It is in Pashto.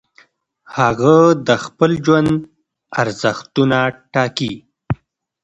هغه د خپل ژوند ارزښتونه ټاکي.